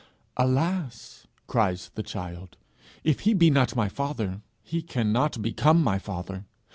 'Alas!' cries the child, 'if he be not my father, he cannot become my father.